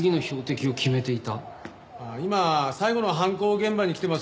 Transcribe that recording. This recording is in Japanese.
今最後の犯行現場に来てます。